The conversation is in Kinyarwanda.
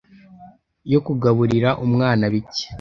yo kugaburira umwana bike